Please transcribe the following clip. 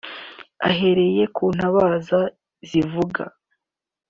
Ahereye ku ntabaza zivuga